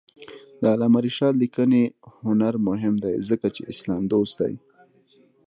د علامه رشاد لیکنی هنر مهم دی ځکه چې اسلام دوست دی.